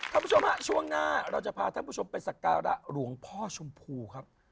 คุณผู้ชมฮะช่วงหน้าเราจะพาท่านผู้ชมไปสักการะหลวงพ่อชมพูครับ